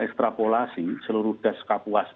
ekstrapolasi seluruh das kapuas